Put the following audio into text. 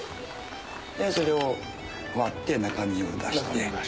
でそれを割って中身を出して。